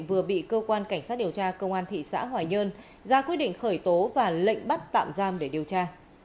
vừa bị cơ quan cảnh sát điều tra công an thị xã hoài nhơn ra quyết định khởi tố và lệnh bắt tạm giam để điều tra